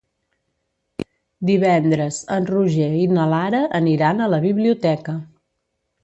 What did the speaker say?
Divendres en Roger i na Lara aniran a la biblioteca.